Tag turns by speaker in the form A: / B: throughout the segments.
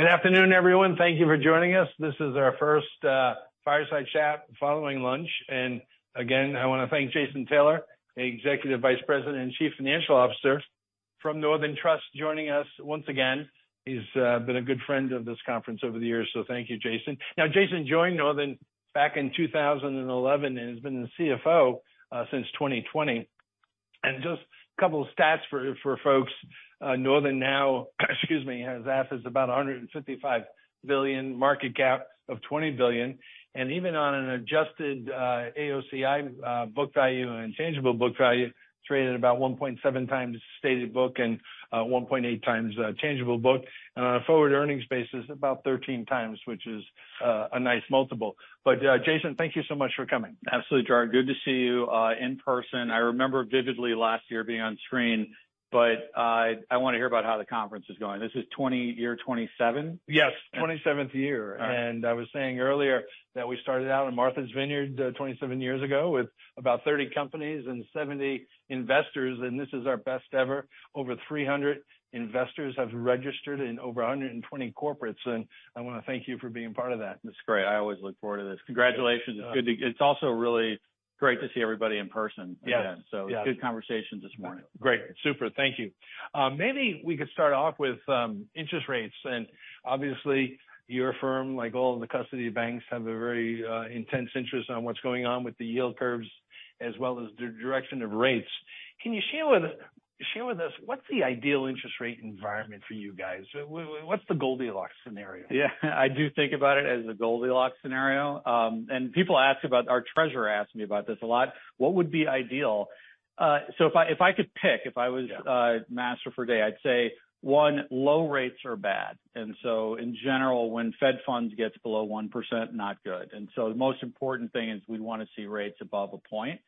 A: Good afternoon, everyone. Thank you for joining us. This is our first fireside chat following lunch. Again, I wanna thank Jason Tyler, Executive Vice President and Chief Financial Officer from Northern Trust, joining us once again. He's been a good friend of this conference over the years. Thank you, Jason. Jason joined Northern back in 2011 and has been the CFO since 2020. Just a couple stats for folks, Northern now has assets about $155 billion, market cap of $20 billion. Even on an adjusted AOCI book value and tangible book value, traded about 1.7x stated book and 1.8x tangible book. On a forward earnings basis, about 13x, which is a nice multiple. Jason, thank you so much for coming.
B: Absolutely, Gerard. Good to see you in person. I remember vividly last year being on screen, but I wanna hear about how the conference is going. This is year 27?
A: Yes. Twenty-seventh year.
B: All right.
A: I was saying earlier that we started out in Martha's Vineyard, 27 years ago with about 30 companies and 70 investors, and this is our best ever. Over 300 investors have registered and over 120 corporates, and I wanna thank you for being part of that.
B: That's great. I always look forward to this. Congratulations. It's also really great to see everybody in person again.
A: Yes. Yeah.
B: Good conversations this morning.
A: Great. Super. Thank you. Maybe we could start off with interest rates. Obviously, your firm, like all of the custody banks, have a very intense interest on what's going on with the yield curves as well as the direction of rates. Can you share with us what's the ideal interest rate environment for you guys? What's the Goldilocks scenario?
B: Yeah. I do think about it as a Goldilocks scenario. Our treasurer asks me about this a lot, what would be ideal? If I could pick, if I was-
A: Yeah...
B: master for a day, I'd say, one, low rates are bad. In general, when Fed funds gets below 1%, not good. The most important thing is we wanna see rates above 1%.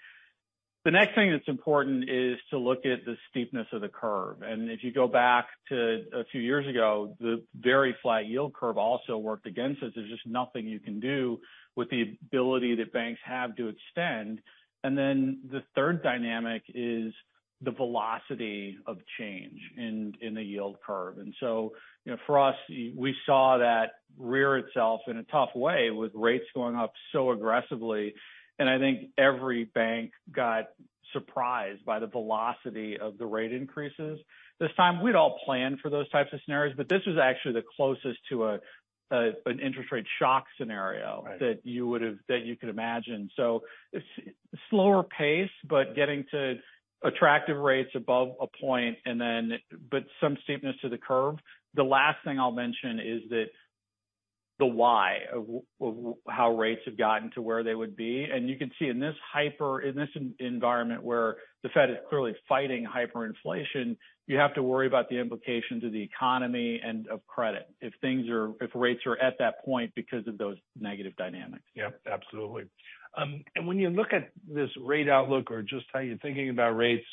B: The next thing that's important is to look at the steepness of the curve. If you go back to a few years ago, the very flat yield curve also worked against us. There's just nothing you can do with the ability that banks have to extend. The third dynamic is the velocity of change in the yield curve. You know, for us, we saw that rear itself in a tough way with rates going up so aggressively. I think every bank got surprised by the velocity of the rate increases. This time, we'd all planned for those types of scenarios, but this was actually the closest to a, an interest rate shock scenario.
A: Right...
B: that you could imagine. slower pace, but getting to attractive rates above a point, but some steepness to the curve. The last thing I'll mention is that the why of how rates have gotten to where they would be. You can see in this environment where the Fed is clearly fighting hyperinflation, you have to worry about the implications of the economy and of credit if rates are at that point because of those negative dynamics.
A: Yep, absolutely. When you look at this rate outlook or just how you're thinking about rates,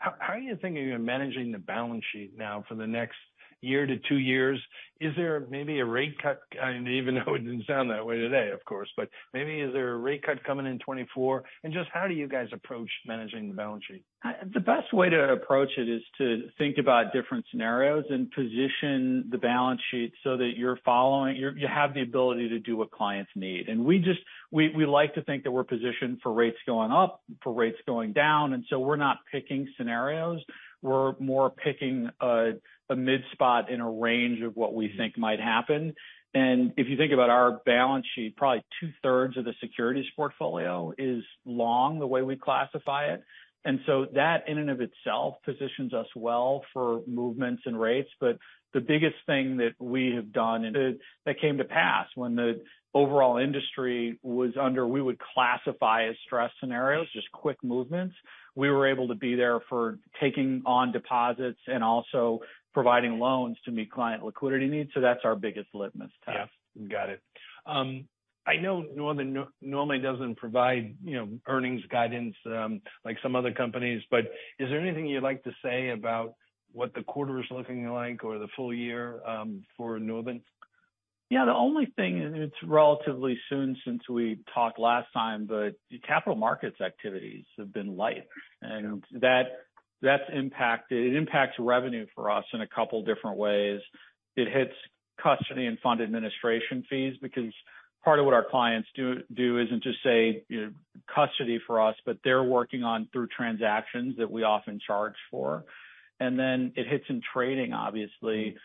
A: how are you thinking of managing the balance sheet now for the next year to 2 years? Is there maybe a rate cut, even though it didn't sound that way today, of course, but maybe is there a rate cut coming in 2024? Just how do you guys approach managing the balance sheet?
B: The best way to approach it is to think about different scenarios and position the balance sheet so that you have the ability to do what clients need. We like to think that we're positioned for rates going up, for rates going down, and so we're not picking scenarios. We're more picking a mid spot in a range of what we think might happen. If you think about our balance sheet, probably two-thirds of the securities portfolio is long, the way we classify it. That in and of itself positions us well for movements in rates. The biggest thing that we have done and that came to pass when the overall industry was under, we would classify as stress scenarios, just quick movements. We were able to be there for taking on deposits and also providing loans to meet client liquidity needs. That's our biggest litmus test.
A: Yeah. Got it. I know Northern normally doesn't provide, you know, earnings guidance, like some other companies, is there anything you'd like to say about what the quarter is looking like or the full year for Northern?
B: Yeah. The only thing, and it's relatively soon since we talked last time, but the capital markets activities have been light.
A: Yeah.
B: That impacts revenue for us in a couple different ways. It hits custody and fund administration fees because part of what our clients do isn't just say, you know, custody for us, but they're working on through transactions that we often charge for. It hits in trading, obviously.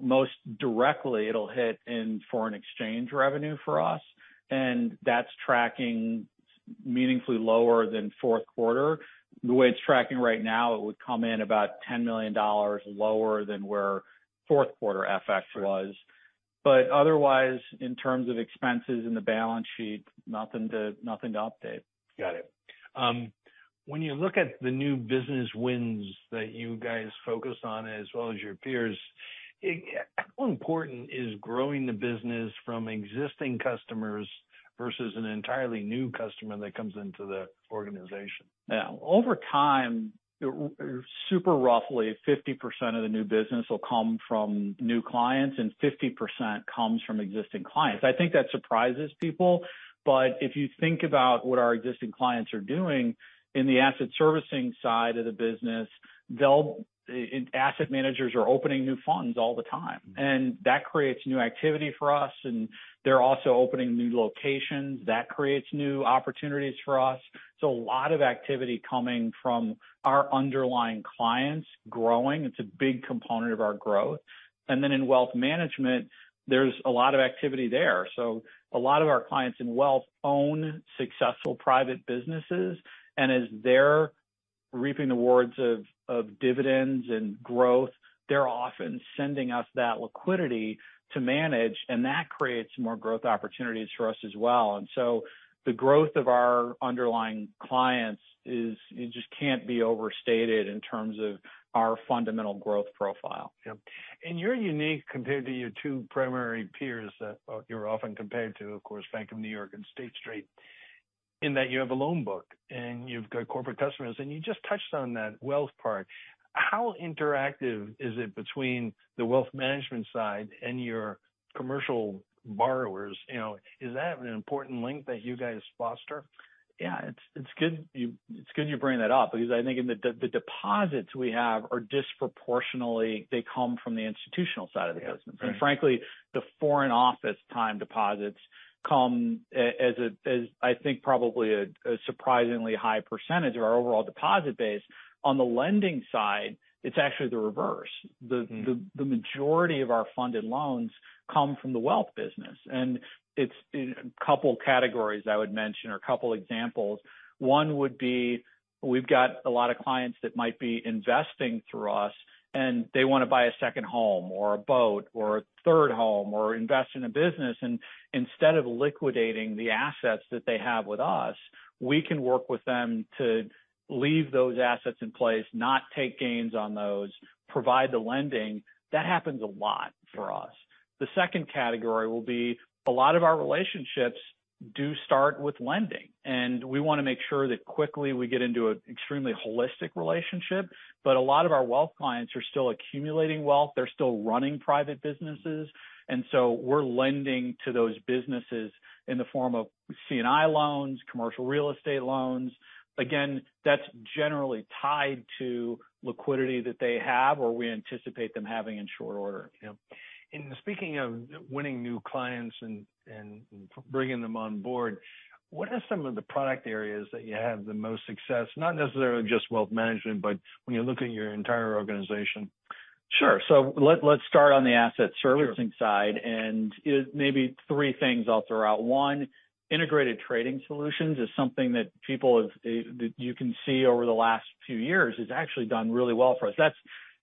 B: Most directly, it'll hit in foreign exchange revenue for us, that's tracking meaningfully lower than fourth quarter. The way it's tracking right now, it would come in about $10 million lower than where fourth quarter FX was. Otherwise, in terms of expenses in the balance sheet, nothing to update.
A: Got it. When you look at the new business wins that you guys focus on as well as your peers, how important is growing the business from existing customers versus an entirely new customer that comes into the organization?
B: Yeah. Over time, super roughly 50% of the new business will come from new clients and 50% comes from existing clients. I think that surprises people. If you think about what our existing clients are doing in the asset servicing side of the business, asset managers are opening new funds all the time.
A: Mm-hmm.
B: That creates new activity for us, and they're also opening new locations, that creates new opportunities for us. A lot of activity coming from our underlying clients growing. It's a big component of our growth. In wealth management, there's a lot of activity there. A lot of our clients in wealth own successful private businesses. As they're reaping the rewards of dividends and growth, they're often sending us that liquidity to manage, and that creates more growth opportunities for us as well. The growth of our underlying clients, it just can't be overstated in terms of our fundamental growth profile.
A: Yeah. You're unique compared to your two primary peers that you're often compared to, of course, Bank of New York and State Street, in that you have a loan book and you've got corporate customers, and you just touched on that wealth part. How interactive is it between the wealth management side and your commercial borrowers? You know, is that an important link that you guys foster?
B: Yeah. It's good you bring that up because I think in the deposits we have are disproportionately, they come from the institutional side of the business.
A: Yeah. Right.
B: Frankly, the foreign currency time deposits come as a, as I think probably a surprisingly high percentage of our overall deposit base. On the lending side, it's actually the reverse.
A: Mm-hmm.
B: The majority of our funded loans come from the wealth business. It's in a couple categories I would mention or a couple examples. One would be, we've got a lot of clients that might be investing through us, and they wanna buy a second home or a boat or a third home or invest in a business. Instead of liquidating the assets that they have with us, we can work with them to leave those assets in place, not take gains on those, provide the lending. That happens a lot for us. The second category will be, a lot of our relationships do start with lending, and we wanna make sure that quickly we get into an extremely holistic relationship. A lot of our wealth clients are still accumulating wealth. They're still running private businesses. We're lending to those businesses in the form of C&I loans, commercial real estate loans. Again, that's generally tied to liquidity that they have or we anticipate them having in short order.
A: Yeah. Speaking of winning new clients and bringing them on board, what are some of the product areas that you have the most success? Not necessarily just wealth management, but when you look at your entire organization.
B: Sure. let's start on the asset-
A: Sure...
B: servicing side. Maybe three things I'll throw out. One, Integrated Trading Solutions is something that people have, that you can see over the last few years has actually done really well for us.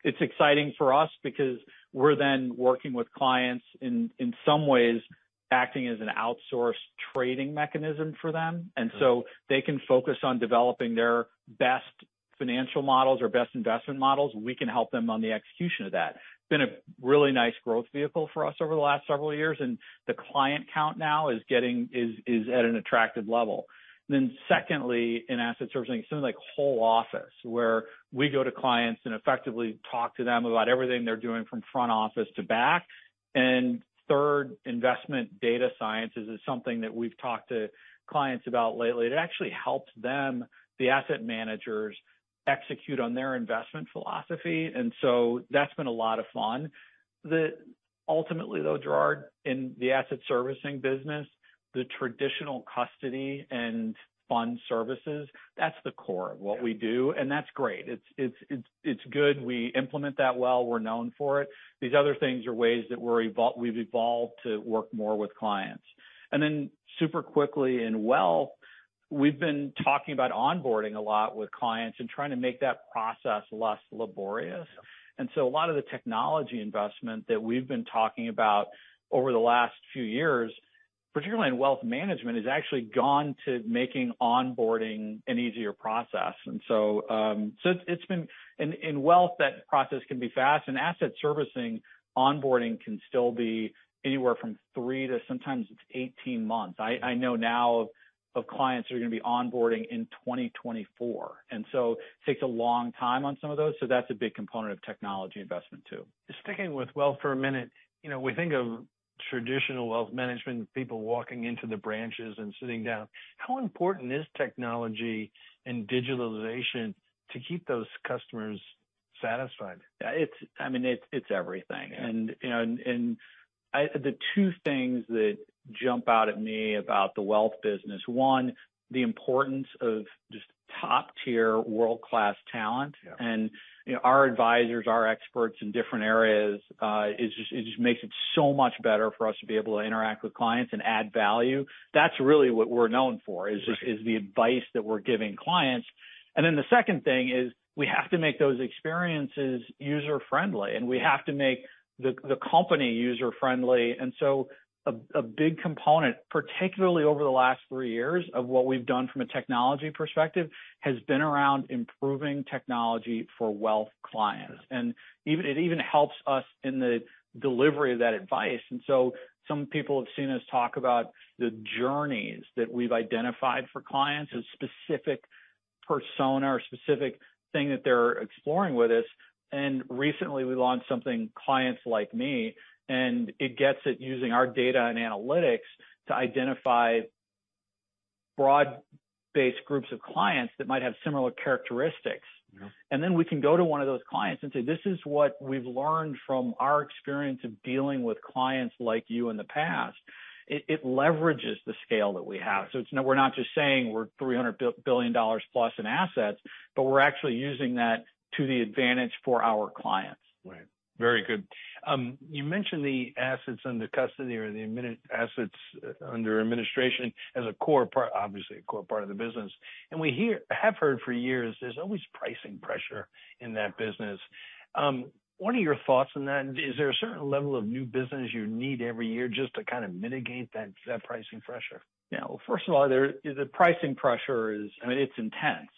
B: It's exciting for us because we're then working with clients in some ways acting as an outsourced trading mechanism for them.
A: Mm-hmm.
B: They can focus on developing their best financial models or best investment models. We can help them on the execution of that. Been a really nice growth vehicle for us over the last several years, and the client count now is at an attractive level. Secondly, in asset servicing, something like Whole Office, where we go to clients and effectively talk to them about everything they're doing from front office to back. Third, Investment Data Science is something that we've talked to clients about lately. It actually helps them, the asset managers, execute on their investment philosophy. That's been a lot of fun. Ultimately, though, Gerard, in the asset servicing business, the traditional custody and fund services, that's the core-
A: Yeah...
B: of what we do, and that's great. It's good. We implement that well. We're known for it. These other things are ways that we've evolved to work more with clients. Super quickly in wealth, we've been talking about onboarding a lot with clients and trying to make that process less laborious.
A: Yeah.
B: A lot of the technology investment that we've been talking about over the last few years, particularly in wealth management, has actually gone to making onboarding an easier process. In wealth, that process can be fast, and asset servicing onboarding can still be anywhere from 3 to sometimes it's 18 months. I know now of clients who are gonna be onboarding in 2024, it takes a long time on some of those. That's a big component of technology investment, too.
A: Sticking with wealth for a minute, you know, we think of traditional wealth management, people walking into the branches and sitting down. How important is technology and digitalization to keep those customers satisfied?
B: Yeah, I mean, it's everything.
A: Yeah.
B: You know, and the two things that jump out at me about the wealth business, one, the importance of just top-tier world-class talent.
A: Yeah.
B: You know, our advisors, our experts in different areas, it just makes it so much better for us to be able to interact with clients and add value. That's really what we're known for.
A: Right...
B: is the advice that we're giving clients. The second thing is, we have to make those experiences user-friendly, and we have to make the company user-friendly. A big component, particularly over the last three years, of what we've done from a technology perspective, has been around improving technology for wealth clients.
A: Yeah.
B: It even helps us in the delivery of that advice. Some people have seen us talk about the journeys that we've identified for clients as specific persona or specific thing that they're exploring with us. Recently, we launched something, Clients Like Me, and it gets it using our data and analytics to identify broad-based groups of clients that might have similar characteristics.
A: Mm-hmm.
B: We can go to one of those clients and say, "This is what we've learned from our experience of dealing with clients like you in the past." It leverages the scale that we have.
A: Right.
B: We're not just saying we're $300 billion plus in assets, but we're actually using that to the advantage for our clients.
A: Right. Very good. You mentioned the assets under custody or the assets under administration as a core part, obviously, a core part of the business. We have heard for years there's always pricing pressure in that business. What are your thoughts on that? Is there a certain level of new business you need every year just to kind of mitigate that pricing pressure?
B: Yeah. Well, first of all, the pricing pressure is, I mean, it's intense.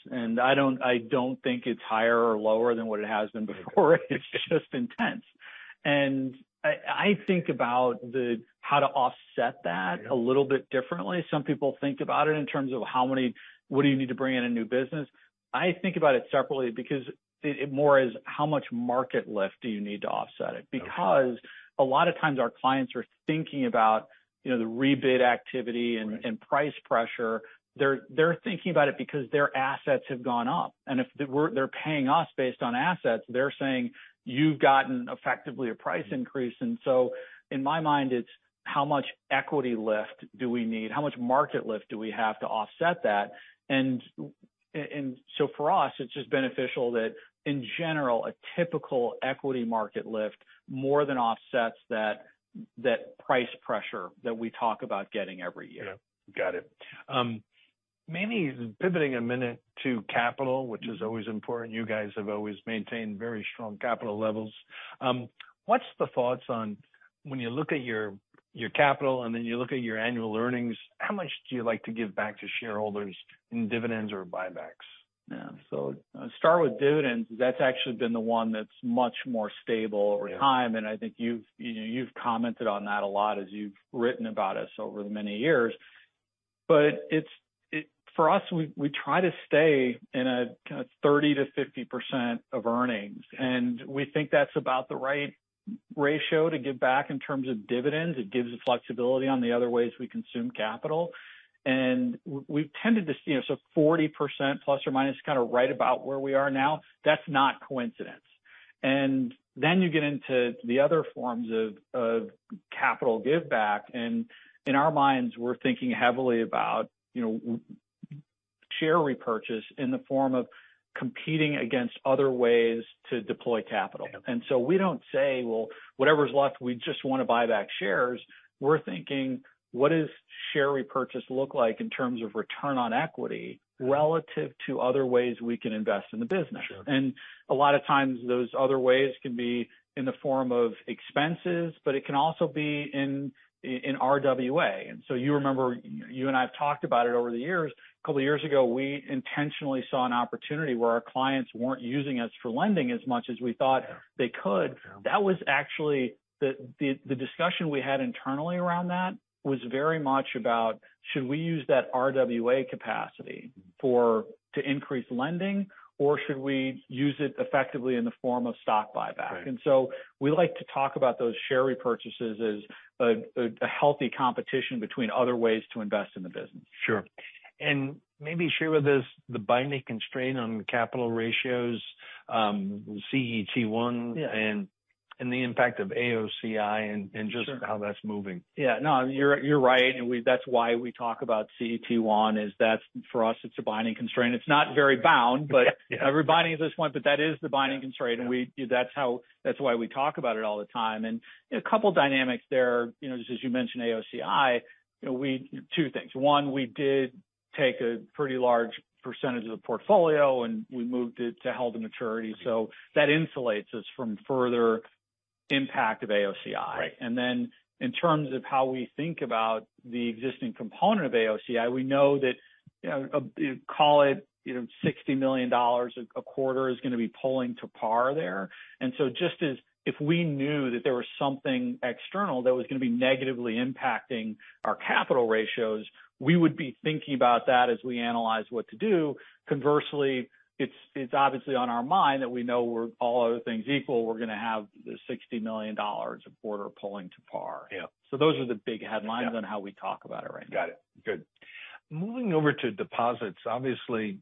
B: I don't think it's higher or lower than what it has been before. It's just intense. I think about the how to offset that.
A: Yeah...
B: a little bit differently. Some people think about it in terms of what do you need to bring in a new business? I think about it separately because it more is how much market lift do you need to offset it.
A: Okay.
B: A lot of times our clients are thinking about, you know, the rebid activity...
A: Right...
B: and price pressure. They're thinking about it because their assets have gone up. They're paying us based on assets, they're saying, "You've gotten effectively a price increase." In my mind, it's how much equity lift do we need? How much market lift do we have to offset that? So for us, it's just beneficial that in general, a typical equity market lift more than offsets that price pressure that we talk about getting every year.
A: Yeah. Got it. Maybe pivoting a minute to capital-
B: Mm-hmm...
A: which is always important. You guys have always maintained very strong capital levels. What's the thoughts on when you look at your capital and then you look at your annual earnings, how much do you like to give back to shareholders in dividends or buybacks?
B: Yeah. Start with dividends, that's actually been the one that's much more stable over time.
A: Yeah.
B: I think you've, you know, you've commented on that a lot as you've written about us over the many years. It's for us, we try to stay in a kind of 30%-50% of earnings. We think that's about the right ratio to give back in terms of dividends. It gives the flexibility on the other ways we consume capital. We've tended to see, you know, so ±40%, kind of right about where we are now. That's not coincidence. You get into the other forms of capital give back. In our minds, we're thinking heavily about, you know, share repurchase in the form of competing against other ways to deploy capital.
A: Yeah.
B: We don't say, "Well, whatever's left, we just wanna buy back shares." We're thinking, "What does share repurchase look like in terms of return on equity.
A: Right
B: ...relative to other ways we can invest in the business?
A: Sure.
B: A lot of times, those other ways can be in the form of expenses, but it can also be in RWA. You remember, you and I have talked about it over the years. A couple of years ago, we intentionally saw an opportunity where our clients weren't using us for lending as much as we thought...
A: Yeah...
B: they could.
A: Yeah.
B: That was actually the discussion we had internally around that was very much about should we use that RWA capacity.
A: Mm-hmm...
B: for to increase lending, or should we use it effectively in the form of stock buyback?
A: Right.
B: We like to talk about those share repurchases as a healthy competition between other ways to invest in the business.
A: Sure. Maybe share with us the binding constraint on the capital ratios, CET1.
B: Yeah...
A: and the impact of AOCI and.
B: Sure...
A: how that's moving.
B: Yeah. No, you're right. That's why we talk about CET1 is that's, for us, it's a binding constraint. It's not very bound-
A: Yeah
B: Everybody at this point, but that is the binding constraint.
A: Yeah.
B: That's why we talk about it all the time. You know, a couple of dynamics there, you know, just as you mentioned AOCI, you know, we. Two things. One, we did take a pretty large percentage of the portfolio, and we moved it to held to maturity.
A: Mm-hmm.
B: That insulates us from further impact of AOCI.
A: Right.
B: In terms of how we think about the existing component of AOCI, we know that, you know, call it, you know, $60 million a quarter is gonna be pull to par there. Just as if we knew that there was something external that was gonna be negatively impacting our capital ratios, we would be thinking about that as we analyze what to do. Conversely, it's obviously on our mind that we know we're all other things equal, we're gonna have the $60 million a quarter pull to par.
A: Yeah.
B: Those are the big headlines.
A: Yeah
B: on how we talk about it right now.
A: Got it. Good. Moving over to deposits, obviously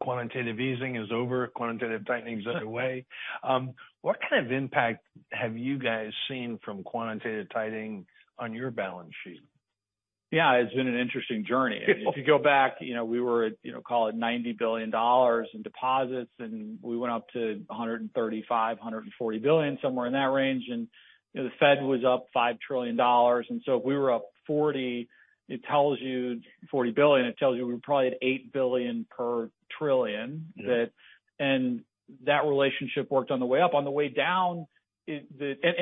A: quantitative easing is over. Quantitative tightening is underway.
B: Right.
A: What kind of impact have you guys seen from quantitative tightening on your balance sheet?
B: Yeah. It's been an interesting journey. If you go back, you know, we were at, you know, call it $90 billion in deposits. We went up to $135 billion-$140 billion, somewhere in that range. You know, the Fed was up $5 trillion. If we were up 40, it tells you... $40 billion, it tells you we're probably at $8 billion per trillion.
A: Yeah.
B: That relationship worked on the way up. On the way down,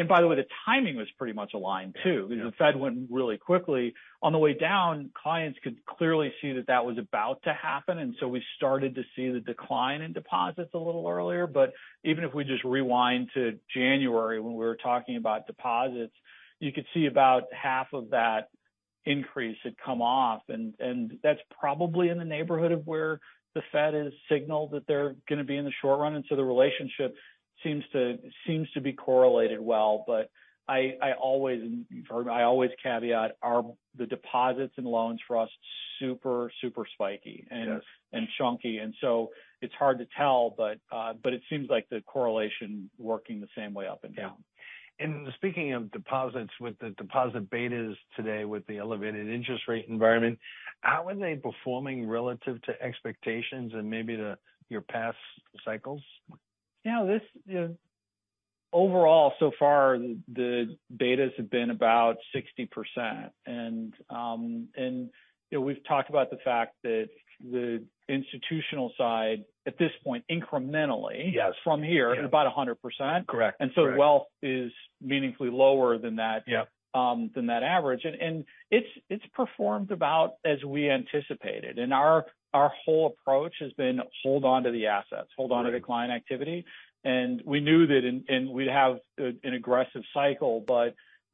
B: by the way, the timing was pretty much aligned too.
A: Yeah.
B: The Fed went really quickly. On the way down, clients could clearly see that that was about to happen, and so we started to see the decline in deposits a little earlier. Even if we just rewind to January when we were talking about deposits, you could see about half of that increase had come off. That's probably in the neighborhood of where the Fed has signaled that they're gonna be in the short run, and so the relationship seems to be correlated well. I always, or I always caveat, are the deposits and loans for us super spiky.
A: Yes...
B: and chunky. It's hard to tell, but it seems like the correlation working the same way up and down.
A: Yeah. Speaking of deposits, with the deposit betas today with the elevated interest rate environment, how are they performing relative to expectations and maybe your past cycles?
B: Yeah, this, you know, overall, so far, the betas have been about 60%. You know, we've talked about the fact that the institutional side, at this point...
A: Yes...
B: from here.
A: Yeah
B: about 100%.
A: Correct. Right.
B: wealth is meaningfully lower than that.
A: Yeah ...
B: than that average. It's performed about as we anticipated. Our whole approach has been hold on to the assets.
A: Right.
B: Hold on to the client activity. We knew that and we'd have an aggressive cycle.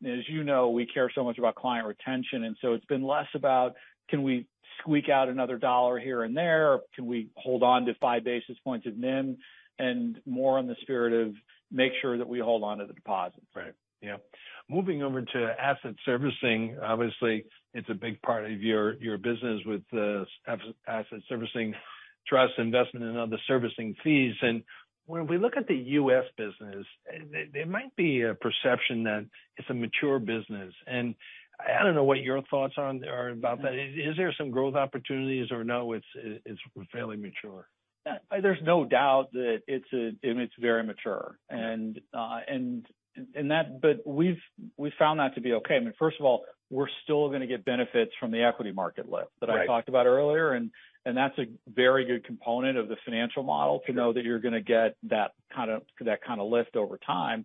B: As you know, we care so much about client retention, it's been less about, can we squeak out another $1 here and there? Can we hold on to 5 basis points of NIM? More on the spirit of, make sure that we hold on to the deposits.
A: Right. Yeah. Moving over to asset servicing, obviously, it's a big part of your business with the asset servicing trust investment and other servicing fees. When we look at the U.S. business, there might be a perception that it's a mature business. I don't know what your thoughts on are about that. Is there some growth opportunities or no, it's fairly mature?
B: There's no doubt that it's very mature. We've found that to be okay. I mean, first of all, we're still gonna get benefits from the equity market.
A: Right...
B: that I talked about earlier, and that's a very good component of the financial model.
A: Sure...
B: to know that you're gonna get that kind of, that kind of lift over time.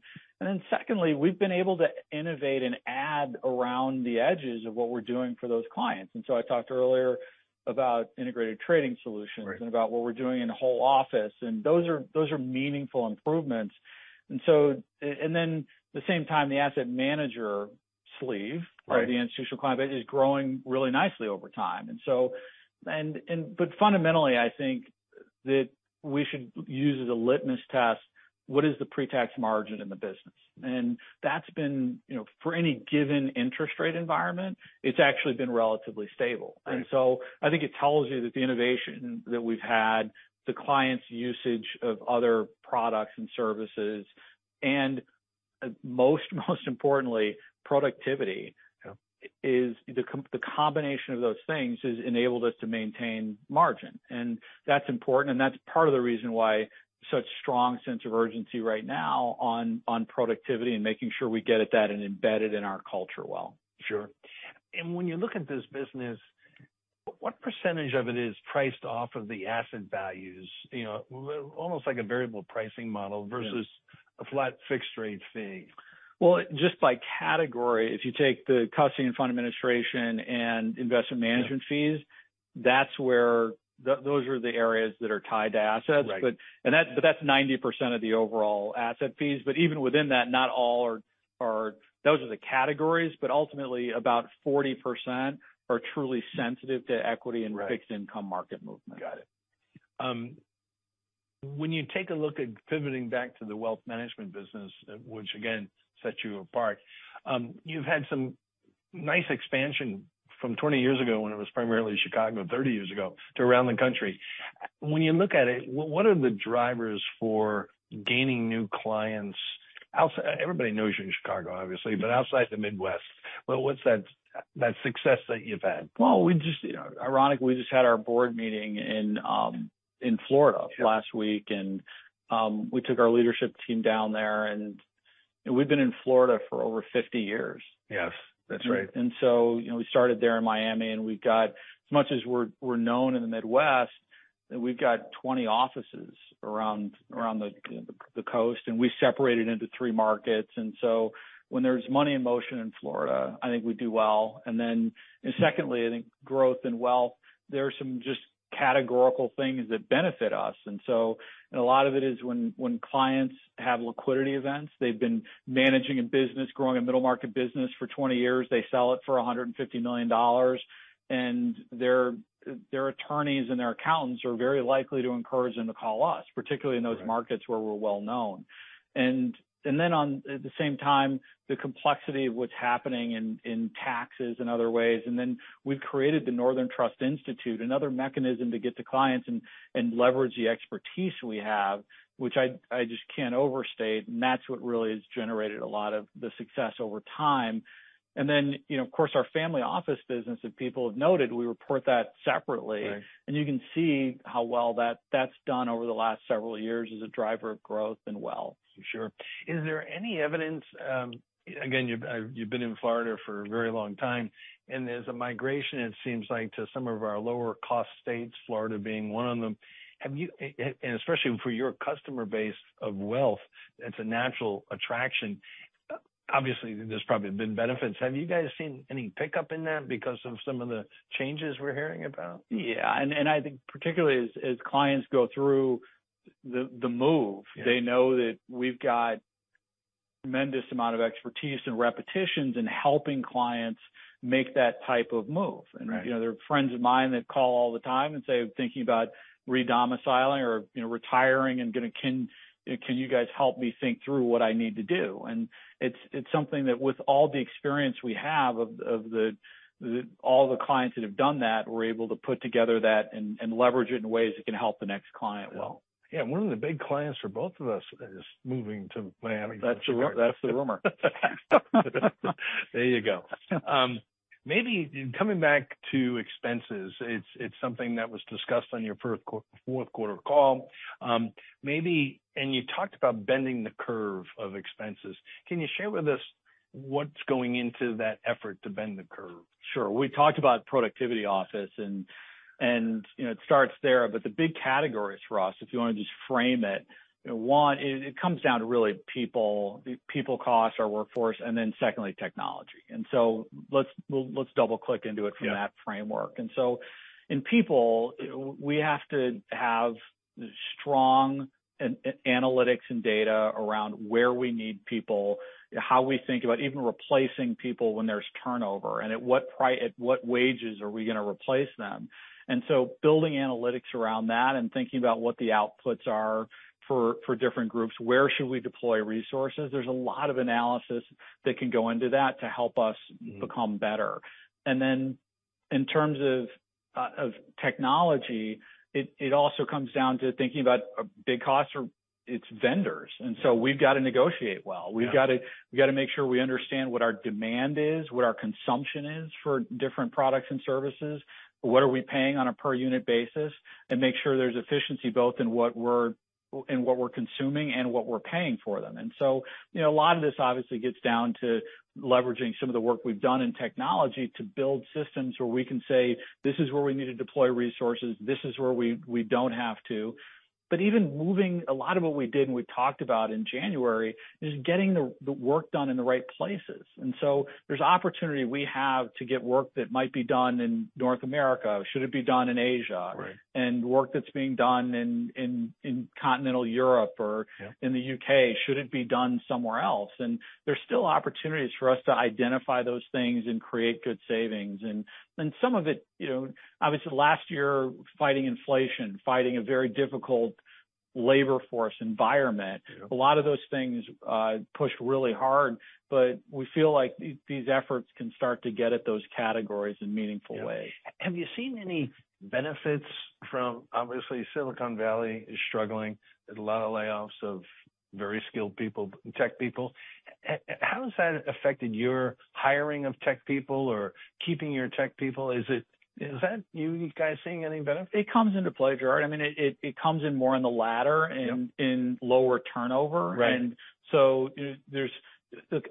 B: Secondly, we've been able to innovate and add around the edges of what we're doing for those clients. I talked earlier about Integrated Trading Solutions.
A: Right...
B: and about what we're doing in the Whole Office, and those are meaningful improvements. And then the same time, the asset manager sleeve-
A: Right...
B: or the institutional client base is growing really nicely over time. Fundamentally, I think that we should use as a litmus test, what is the pre-tax margin in the business? That's been, you know, for any given interest rate environment, it's actually been relatively stable.
A: Right.
B: I think it tells you that the innovation that we've had, the client's usage of other products and services, and most importantly, productivity.
A: Yeah
B: ...the combination of those things has enabled us to maintain margin. That's important, and that's part of the reason why such strong sense of urgency right now on productivity and making sure we get at that and embed it in our culture well.
A: Sure. When you look at this business, what % of it is priced off of the asset values? You know, almost like a variable pricing model-
B: Yeah
A: versus a flat fixed rate fee.
B: Well, just by category, if you take the custody and fund administration and investment management fees.
A: Yeah...
B: Those are the areas that are tied to assets.
A: Right.
B: That's 90% of the overall asset fees. Even within that, not all are. Those are the categories, but ultimately, about 40% are truly sensitive to equity.
A: Right
B: fixed income market movement.
A: Got it. When you take a look at pivoting back to the wealth management business, which again, sets you apart, you've had some nice expansion from 20 years ago when it was primarily Chicago, 30 years ago, to around the country. When you look at it, what are the drivers for gaining new clients? Everybody knows you're in Chicago, obviously, but outside the Midwest, what's that success that you've had?
B: We just, you know, ironically, we just had our board meeting in Florida.
A: Yeah...
B: last week, and, we took our leadership team down there. We've been in Florida for over 50 years.
A: Yes. That's right.
B: You know, we started there in Miami, we've got, as much as we're known in the Midwest, we've got 20 offices around the, you know, the coast. We separated into 3 markets. When there's money in motion in Florida, I think we do well. Secondly, I think growth and wealth, there are some just categorical things that benefit us. A lot of it is when clients have liquidity events. They've been managing a business, growing a middle market business for 20 years. They sell it for $150 million. Their attorneys and their accountants are very likely to encourage them to call us, particularly in those.
A: Right...
B: markets where we're well known. At the same time, the complexity of what's happening in taxes and other ways. We've created The Northern Trust Institute, another mechanism to get to clients and leverage the expertise we have, which I just can't overstate. That's what really has generated a lot of the success over time. You know, of course, our family office business, if people have noted, we report that separately.
A: Right.
B: You can see how well that's done over the last several years as a driver of growth and wealth.
A: Sure. Is there any evidence, again, you've been in Florida for a very long time. There's a migration, it seems like, to some of our lower cost states, Florida being one of them. Especially for your customer base of wealth, it's a natural attraction. Obviously, there's probably been benefits. Have you guys seen any pickup in that because of some of the changes we're hearing about?
B: Yeah. I think particularly as clients go through the.
A: Yeah...
B: they know that we've got tremendous amount of expertise and repetitions in helping clients make that type of move.
A: Right.
B: You know, they're friends of mine that call all the time and say, "I'm thinking about re-domiciling or, you know, retiring and can you guys help me think through what I need to do?" It's, it's something that with all the experience we have of the all the clients that have done that, we're able to put together that and leverage it in ways that can help the next client well.
A: Yeah. One of the big clients for both of us is moving to Miami.
B: That's the rumor.
A: There you go. Maybe coming back to expenses, it's something that was discussed on your fourth quarter call. Maybe you talked about bending the curve of expenses. Can you share with us what's going into that effort to bend the curve?
B: Sure. We talked about productivity office and, you know, it starts there. The big categories for us, if you wanna just frame it, you know, one, it comes down to really people, the people costs, our workforce, and then secondly, technology. Let's double-click into it.
A: Yeah...
B: from that framework. In people, we have to have strong analytics and data around where we need people, how we think about even replacing people when there's turnover, and at what wages are we gonna replace them. Building analytics around that and thinking about what the outputs are for different groups. Where should we deploy resources? There's a lot of analysis that can go into that to help us-
A: Mm-hmm
B: become better. In terms of technology, it also comes down to thinking about big costs or its vendors. We've got to negotiate well.
A: Yeah.
B: We've got to make sure we understand what our demand is, what our consumption is for different products and services. What are we paying on a per unit basis, and make sure there's efficiency both in what we're consuming and what we're paying for them. You know, a lot of this obviously gets down to leveraging some of the work we've done in technology to build systems where we can say, "This is where we need to deploy resources. This is where we don't have to." Even moving a lot of what we did and we talked about in January is getting the work done in the right places. There's opportunity we have to get work that might be done in North America should it be done in Asia.
A: Right.
B: Work that's being done in continental Europe.
A: Yeah...
B: in the U.K. shouldn't be done somewhere else. There's still opportunities for us to identify those things and create good savings. And some of it, you know, obviously last year, fighting inflation, fighting a very difficult labor force environment.
A: Yeah...
B: a lot of those things, pushed really hard, but we feel like these efforts can start to get at those categories in meaningful ways.
A: Have you seen any benefits? Obviously, Silicon Valley is struggling. There's a lot of layoffs of very skilled people, tech people. How has that affected your hiring of tech people or keeping your tech people? Is that you guys seeing any benefit?
B: It comes into play, Gerard. I mean, it comes in more.
A: Yeah
B: in lower turnover.
A: Right.
B: there's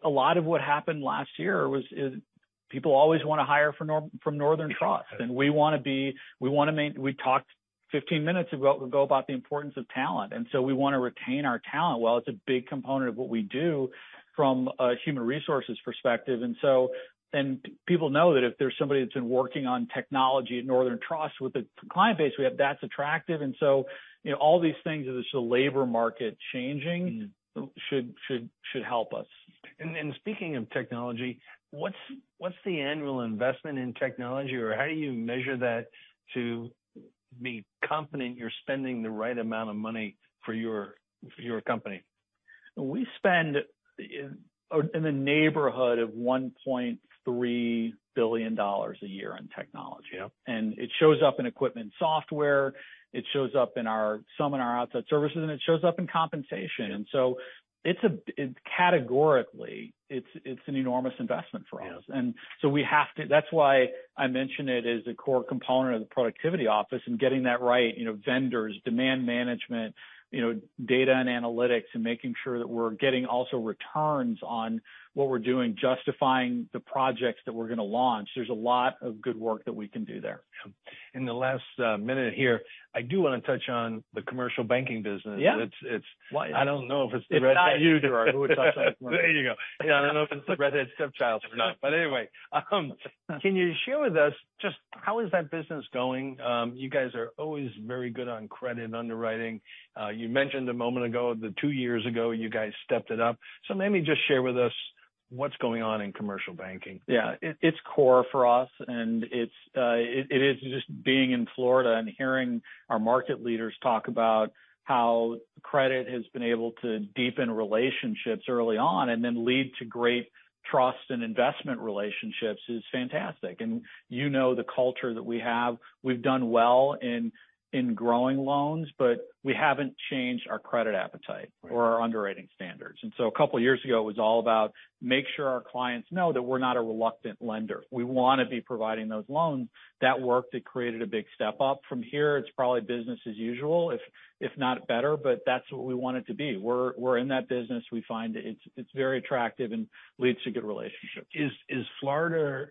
B: a lot of what happened last year was, is people always wanna hire for from Northern Trust.
A: Sure.
B: We talked 15 minutes ago about the importance of talent. We wanna retain our talent. Well, it's a big component of what we do from a human resources perspective. People know that if there's somebody that's been working on technology at Northern Trust with the client base we have, that's attractive. You know, all these things as the labor market changing.
A: Mm-hmm
B: should help us.
A: speaking of technology, what's the annual investment in technology or how do you measure that to be confident you're spending the right amount of money for your company?
B: We spend in the neighborhood of $1.3 billion a year on technology.
A: Yeah.
B: It shows up in equipment software, it shows up in our outside services, and it shows up in compensation.
A: Yeah.
B: Categorically, it's an enormous investment for us.
A: Yeah.
B: That's why I mention it as a core component of the productivity office and getting that right, you know, vendors, demand management, you know, data and analytics, and making sure that we're getting also returns on what we're doing, justifying the projects that we're gonna launch. There's a lot of good work that we can do there.
A: Yeah. In the last minute here, I do wanna touch on the commercial banking business.
B: Yeah.
A: It's-
B: Why-
A: I don't know if it's the redhead-
B: It's not you, Gerard, who would touch on it.
A: There you go. Yeah, I don't know if it's the redhead stepchild or not. Anyway, can you share with us just how is that business going? You guys are always very good on credit underwriting. You mentioned a moment ago that two years ago, you guys stepped it up. Maybe just share with us what's going on in commercial banking.
B: Yeah. It's core for us, and it's just being in Florida and hearing our market leaders talk about how credit has been able to deepen relationships early on and then lead to great trust and investment relationships is fantastic. You know the culture that we have. We've done well in growing loans, but we haven't changed our credit appetite.
A: Right...
B: or our underwriting standards. A couple years ago, it was all about make sure our clients know that we're not a reluctant lender. We wanna be providing those loans. That worked. It created a big step-up. From here, it's probably business as usual, if not better, but that's what we want it to be. We're in that business. We find it's very attractive and leads to good relationships.
A: Is Florida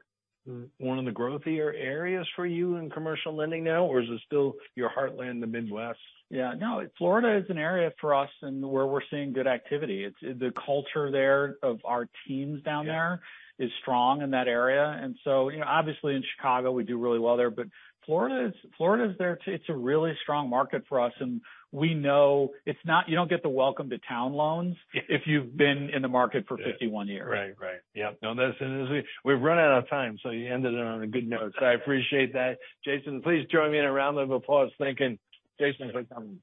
A: one of the growthier areas for you in commercial lending now, or is it still your heartland in the Midwest?
B: Yeah. No, Florida is an area for us and where we're seeing good activity. The culture there of our teams down there.
A: Yeah...
B: is strong in that area. You know, obviously in Chicago, we do really well there, but Florida is there. It's a really strong market for us, and we know it's not. You don't get the welcome to town loans-
A: Yeah...
B: if you've been in the market for 51 years.
A: Yeah. Right. Right. Yeah. No, listen, as we've run out of time, you ended it on a good note. I appreciate that. Jason, please join me in a round of applause thanking Jason for coming.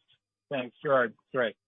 B: Thanks, Gerard. Great.